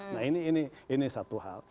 nah ini satu hal